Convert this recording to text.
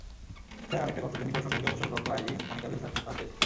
Sir, আরেকটা কথা, Jennifer সম্পর্কে-- অবসরপ্রাপ্ত আইজি, মানিকাভেল তার প্রস্তাব দিয়েছে।